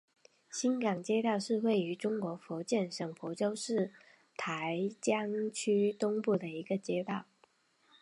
新港街道是位于中国福建省福州市台江区东部的一个街道。